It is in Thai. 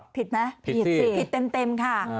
ผิดมั้ยผิดที่ผิดเต็มค่ะ